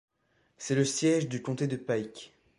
C'est le siège du comté de Pike.